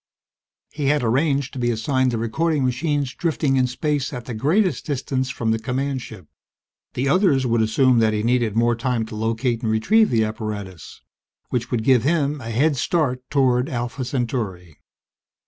He had arranged to be assigned the recording machines drifting in space at the greatest distance from the command ship. The others would assume that he needed more time to locate and retrieve the apparatus which would give him a head start toward Alpha Centauri.